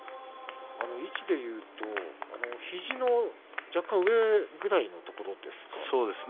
位置でいうと肘の若干上ぐらいのところですか。